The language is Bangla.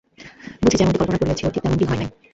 বুঝি যেমনটি কল্পনা করিয়াছিল ঠিক তেমনটি হয় নাই।